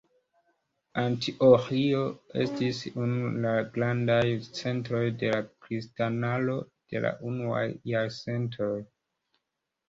Antioĥio estis unu el la grandaj centroj de la kristanaro de la unuaj jarcentoj.